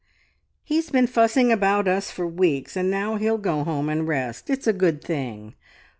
"He's been fussing about us for weeks, and now he'll go home and rest. It's a good thing!